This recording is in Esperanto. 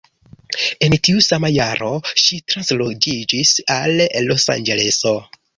En tiu sama jaro ŝi transloĝiĝis al Losanĝeleso.